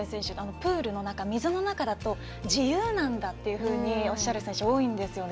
プールの中、水の中だと自由なんだっていうふうにおっしゃる選手多いんですよね。